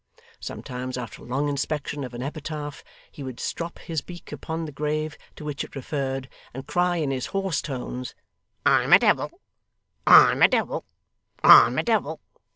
Sometimes, after a long inspection of an epitaph, he would strop his beak upon the grave to which it referred, and cry in his hoarse tones, 'I'm a devil, I'm a devil, I'm a devil!